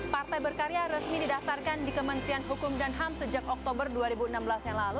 partai berkarya resmi didaftarkan di kementerian hukum dan ham sejak oktober dua ribu enam belas yang lalu